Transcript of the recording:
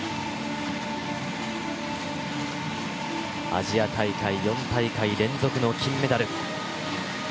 アジア大会４大会連続の金メダル。